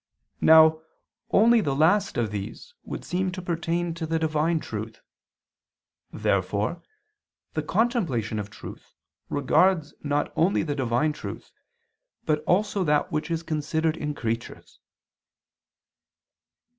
Now only the last of these would seem to pertain to the divine truth. Therefore the contemplation of truth regards not only the divine truth, but also that which is considered in creatures.